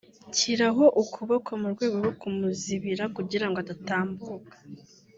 nshyiraho ukuboko mu rwego rwo kumuzibira kugira ngo adatambuka